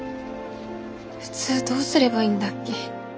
フツーどうすればいいんだっけ。